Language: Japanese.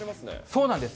そうなんです。